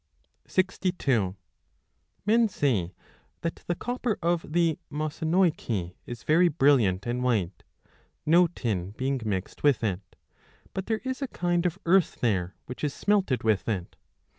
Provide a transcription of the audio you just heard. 62 Men say that the copper of the Mossynoeci is very brilliant and white, no tin being mixed with it ; but there 10 is a kind of earth there, which is smelted with it.